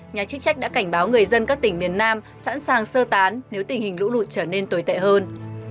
nhà chức trách đã cảnh báo người dân các tỉnh miền nam sẵn sàng sơ tán nếu tình hình lũ lụt trở nên tồi tệ hơn